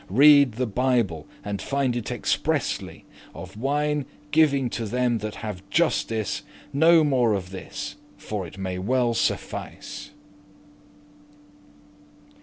Reade the Bible, and find it expressly Of wine giving to them that have justice. No more of this, for it may well suffice.